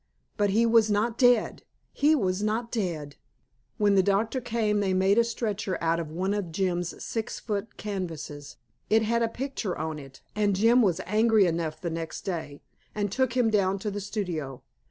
But he was not dead! He was not dead! When the doctor came they made a stretcher out of one of Jim's six foot canvases it had a picture on it, and Jim was angry enough the next day and took him down to the studio.